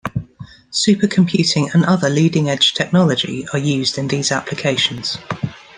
Supercomputing and other leading-edge technology are used in these applications.